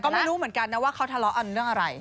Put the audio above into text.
ก็ไม่รู้เหมือนกันนะว่าเขาทะเลาะกันเรื่องอะไร